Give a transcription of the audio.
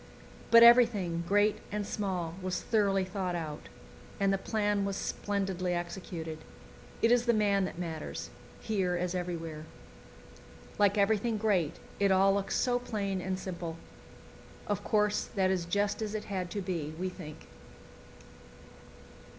But everything, great and small, was thoroughly thought out, and the plan was splendidly executed. It is the man that matters, here as everywhere. Like everything great, it all looks so plain and simple. Of course, that is just as it had to be, we think.